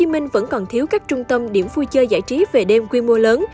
hồ chí minh vẫn còn thiếu các trung tâm điểm vui chơi giải trí về đêm quy mô lớn